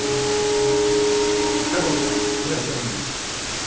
多香子さんいらっしゃいませ。